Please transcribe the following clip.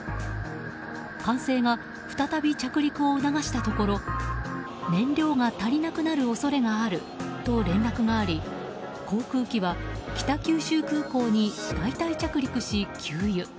管制が再び着陸を促したところ燃料が足りなくなる恐れがあると連絡があり航空機は北九州空港に代替着陸し、給油。